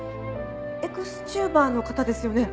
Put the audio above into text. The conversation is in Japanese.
エクスチューバーの方ですよね？